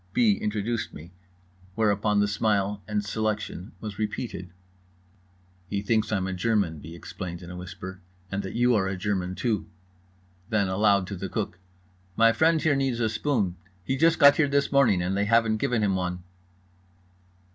B. introduced me, whereupon the smile and selection was repeated. "He thinks I'm a German," B. explained in a whisper, "and that you are a German too." Then aloud, to the cook: "My friend here needs a spoon. He just got here this morning and they haven't given him one."